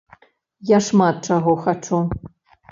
Я шмат чаго хачу!